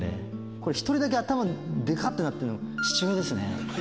これ、１人だけ頭でかってなってる、父親ですね。